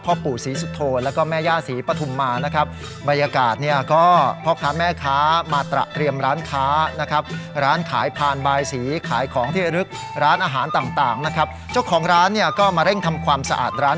พ่อปู่ศรีสุโธแล้วก็แม่ย่าศรีปะทุ่มมานะครับบรรยากาศ